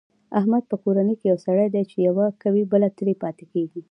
احمد په کورنۍ کې یو سری دی، چې یوه کوي بله ترې پاتې کېږي.